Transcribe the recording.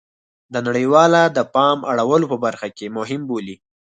د نړیواله د پام اړولو په برخه کې مهمه بولي